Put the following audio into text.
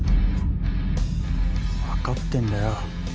わかってんだよ。